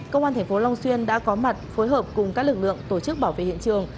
công an tp long xuyên đã có mặt phối hợp cùng các lực lượng tổ chức bảo vệ hiện trường